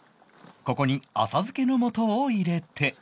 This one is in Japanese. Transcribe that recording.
ここに浅漬けの素を入れて